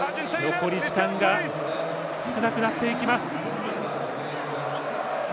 残り時間が少なくなっていきます。